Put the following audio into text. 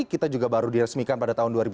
kita juga baru diresmikan pada tahun ini